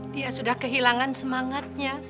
dia sudah kehilangan semangatnya